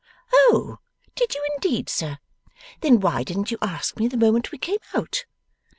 'Oh! did you indeed, sir? Then why didn't you ask me, the moment we came out?